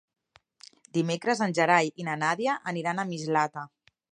Dimecres en Gerai i na Nàdia aniran a Mislata.